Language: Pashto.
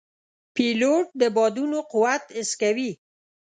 پیلوټ د بادونو قوت حس کوي.